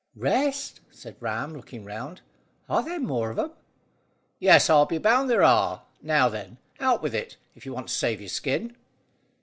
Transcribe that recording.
"Rest?" said Ram, looking round. "Are there any more of 'em?" "Yes, I'll be bound there are. Now, then, out with it, if you want to save your skin."